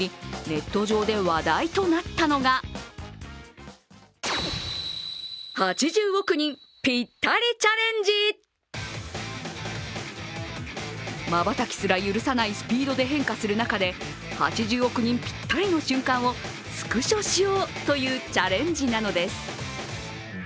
ネット上で話題となったのがまばたきすら許さないスピードで変化する中で８０億人ぴったりの瞬間をスクショしようというチャレンジなのです。